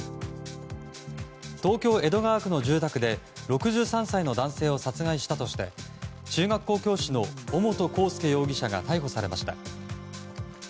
東京・江戸川区の住宅で６３歳の男性を殺害したとして中学校教師の尾本幸祐容疑者が逮捕されました。